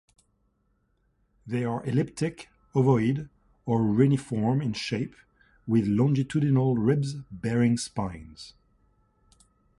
They are elliptic, ovoid or reniform in shape, with longitudinal ribs bearing spines.